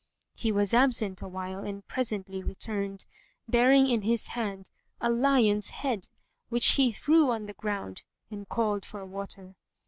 He was absent a while and presently returned, bearing in his hand a lion's head, which he threw on the ground and called for water.